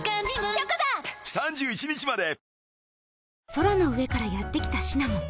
空の上からやってきたシナモン